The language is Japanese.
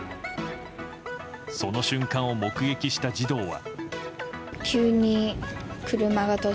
その瞬間を目撃した児童は。